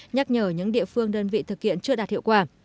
nhắc nhở những địa phương đơn vị thực hiện chưa đạt hiệu quả